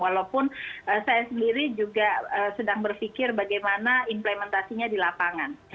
walaupun saya sendiri juga sedang berpikir bagaimana implementasinya di lapangan